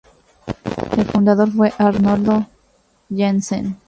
El fundador fue Arnoldo Janssen.